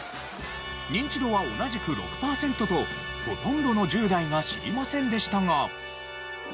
ニンチドは同じく６パーセントとほとんどの１０代が知りませんでしたが。